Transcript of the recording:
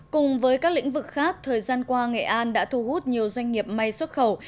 cùng với các lĩnh vực khác thời gian qua nghệ an đã thu hút nhiều doanh nghiệp may xuất khẩu